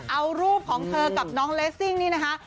เอารูปของเธอกับน้องเลสซิ่งนี่นะคะ